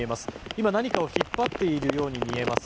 今、何かを引っ張っているように見えます。